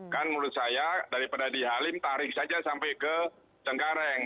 kan menurut saya daripada di halim tarik saja sampai ke cengkareng